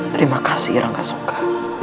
terima kasih rangga soka